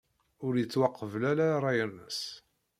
Ur yettwaqbel ara ṛṛay-nnes.